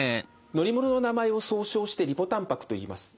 乗り物の名前を総称してリポたんぱくといいます。